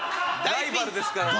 ライバルですからね。